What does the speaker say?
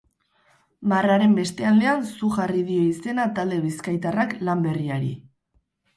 Marraren beste aldean zu jarri dio izena talde bizkaitarrak lan berriari.